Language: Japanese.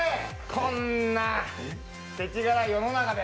こんなせちがらい世の中で。